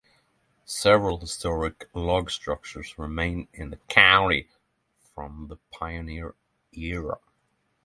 Several historic log structures remain in the county from the pioneer era.